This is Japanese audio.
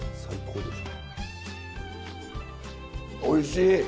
おいしい！